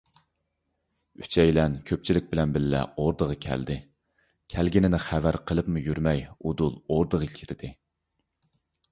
ئۈچەيلەن كۆپچىلىك بىلەن بىللە ئوردىغا كەلدى، كەلگىنىنى خەۋەر قىلىپمۇ يۈرمەي ئۇدۇل ئوردىغا كىردى.